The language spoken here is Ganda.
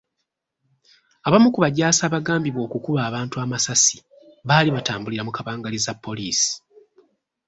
Abamu ku bajaasi abagambibwa okukuba abantu amasasi baali batambulira mu kabangali za poliisi .